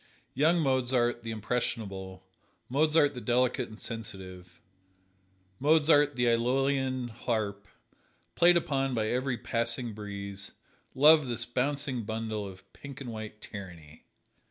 Young Mozart, the impressionable, Mozart the delicate and sensitive, Mozart the Æolian harp, played upon by every passing breeze, loved this bouncing bundle of pink and white tyranny.